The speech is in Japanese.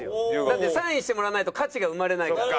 だってサインしてもらわないと価値が生まれないから。